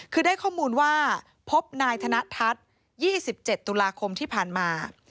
คือได้ข้อมูลว่าพบนายธนทัศน์๒๗ตุลาคมที่ผ่านมา